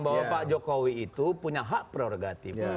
bahwa pak jokowi itu punya hak prerogatif